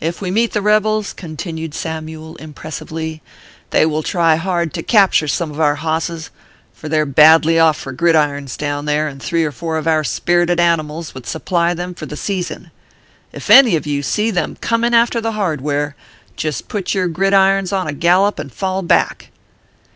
If we meet the rebels/ continued Samyule, impressively, " they will try hard to capture some of our bosses ; for they re badly oif for gridirons down there, and three or four of our spirited animals would supply them for the season. If any of you see them coming after the hardware, just put your gridirons on a gallop and fall back."